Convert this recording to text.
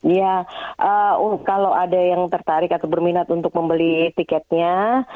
ya kalau ada yang tertarik atau berminat untuk membeli tiketnya